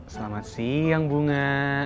selamat siang bunga